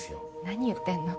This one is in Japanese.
何言ってんの？